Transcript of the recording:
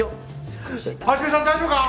・一さん大丈夫か？